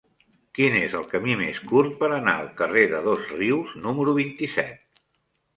Quin és el camí més curt per anar al carrer de Dosrius número vint-i-set?